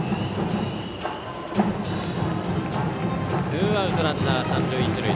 ツーアウトランナー、三塁一塁。